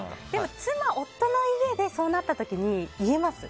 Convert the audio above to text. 妻・夫の家でそうなった時に言えます？